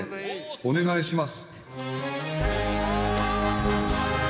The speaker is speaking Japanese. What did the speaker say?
お願いします。